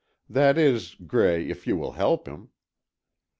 That is, Gray, if you will help him.